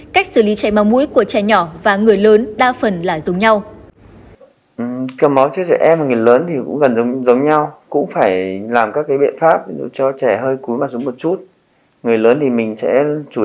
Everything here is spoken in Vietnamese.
cách xử lý cháy máu mũi của trẻ nhỏ và người lớn đa phần là giống nhau